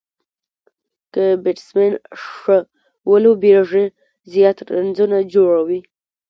که بيټسمېن ښه ولوبېږي، زیات رنزونه جوړوي.